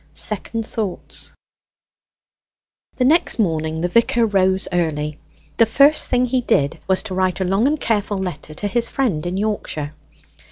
SECOND THOUGHTS The next morning the vicar rose early. The first thing he did was to write a long and careful letter to his friend in Yorkshire.